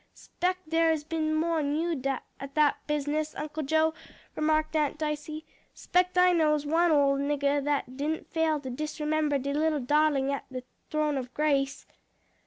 "'Spect der is been more'n you at dat business, Uncle Joe;" remarked Aunt Dicey, "'spect I knows one ole niggah dat didn't fail to disremember de little darlin' at de throne ob grace."